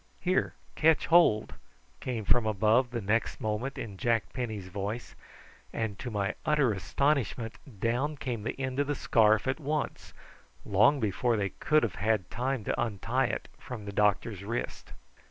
"Here, ketch hold," came from above the next moment in Jack Penny's voice, and to my utter astonishment down came the end of the scarf at once, long before they could have had time to untie it from the doctor's wrist.